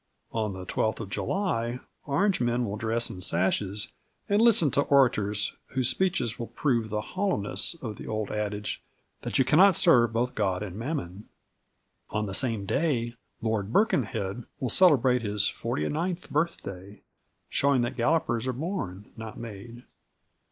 On the 12th of July Orangemen will dress im in sashes and listen to orators whose speeches will prove the hollowness of the old adage that you cannot serve both God and Mammon. On the same day, Lord Birkenhead will celebrate his forty ninth birthday, showing that Gallopers are born not made.